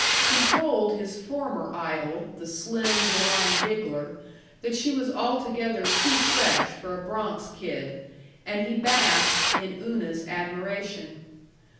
He told his former idol, the slim, blond giggler, that she was altogether too fresh for a Bronx Kid, and he basked in Una's admiration.